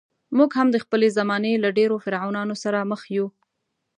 موږ هم د خپلې زمانې له ډېرو فرعونانو سره مخ یو.